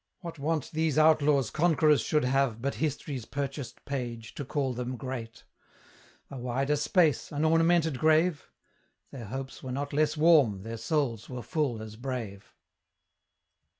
What want these outlaws conquerors should have But History's purchased page to call them great? A wider space, an ornamented grave? Their hopes were not less warm, their souls were full as brave.